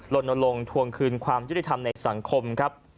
ลนลงทวงคืนความยุติธรรมในสังคมครับ